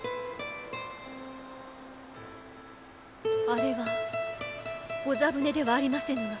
あれは御座船ではありませぬが？